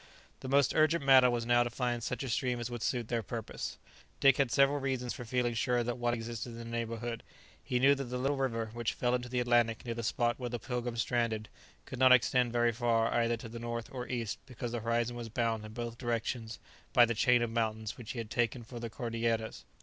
The most urgent matter was now to find such a stream as would suit their purpose. Dick had several reasons for feeling sure that one existed in the neighbourhood. He knew that the little river, which fell into the Atlantic near the spot where the "Pilgrim" stranded, could not extend very far either to the north or east, because the horizon was bounded in both directions by the chain of mountains which he had taken for the Cordilleras.